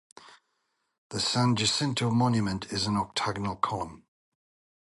The San Jacinto monument is an octagonal column.